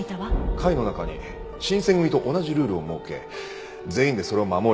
会の中に新選組と同じルールを設け全員でそれを守り。